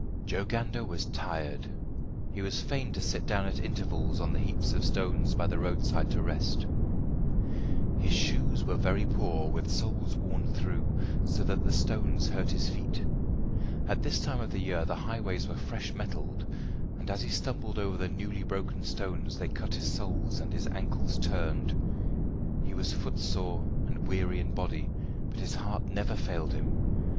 Joe Gander was tired. He was fain to sit down at intervals on the heaps of stones by the roadside to rest. His shoes were very poor, with soles worn through, so that the stones hurt his feet. At this time of the year the highways were fresh metalled, and as he stumbled over the newly broken stones they cut his soles and his ankles turned. He was footsore and weary in body, but his heart never failed him.